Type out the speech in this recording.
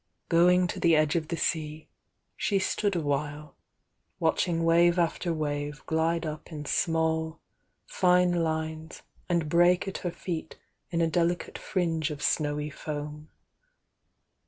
w going to the edge of the sea, she stood awhile, watch ing wave after wave glide up in small, fine lines and break at her feet in a delicate fringe of snowy foam.